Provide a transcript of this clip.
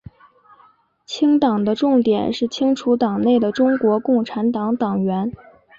清党的重点是清除党内的中国共产党党员。